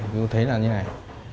như thế là như này